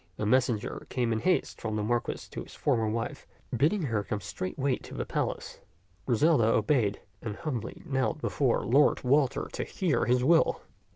A messenger came in haste from the Marquis to his former wife, bidding her come straightway to the palace. Griselda obeyed, and humbly knelt before Lord Walter to hear his will.